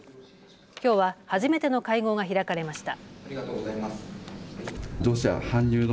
きょうは初めての会合が開かれました。